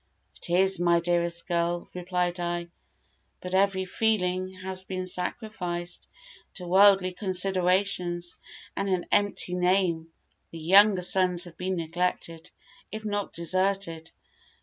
"It is, my dearest girl," replied I; "but every feeling has been sacrificed to worldly considerations and an empty name. The younger sons have been neglected, if not deserted.